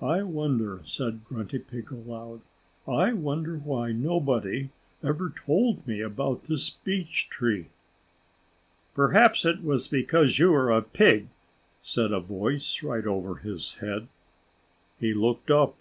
"I wonder " said Grunty Pig aloud "I wonder why nobody ever told me about this beech tree." "Perhaps it was because you are a pig," said a voice right over his head. He looked up.